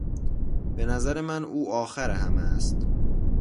به نظر من او آخر همه است.